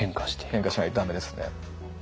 変化しないと駄目ですね。